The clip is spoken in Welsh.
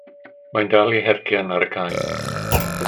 Mae'n dal i hercian ar y cae.